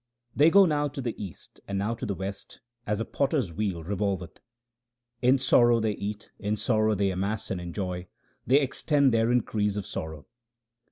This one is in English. They go now to the east, and now to the west, as a potter's wheel revolveth. In sorrow they eat, in sorrow they amass and enjoy ; they extend their increase of sorrow.